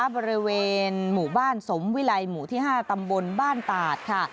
บริเวณหมู่บ้านสมวิลัยหมู่ที่๕ตำบลบ้านตาดค่ะ